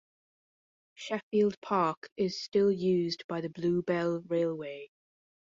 Sheffield Park is still used by the Bluebell Railway.